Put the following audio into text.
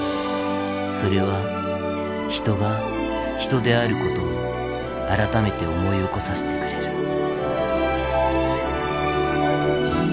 それは人が人であることを改めて思い起こさせてくれる。